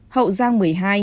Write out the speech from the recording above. hậu giang một mươi hai